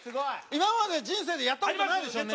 今まで人生でやったことないでしょうね。